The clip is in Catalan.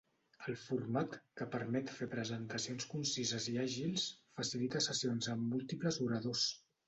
El format, que permet fer presentacions concises i àgils, facilita sessions amb múltiples oradors.